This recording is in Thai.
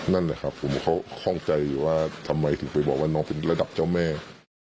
นั่นแหละครับผมเขาคล่องใจอยู่ว่าทำไมถึงไปบอกว่าน้องเป็นระดับเจ้าแม่